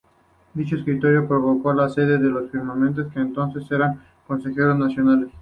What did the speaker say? Dicho escrito provocó el cese de los firmantes que entonces eran consejeros nacionales.